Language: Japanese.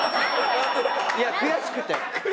いや悔しくて。